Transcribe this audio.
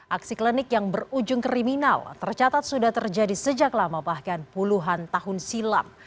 aksi klinik yang berujung kriminal tercatat sudah terjadi sejak lama bahkan puluhan tahun silam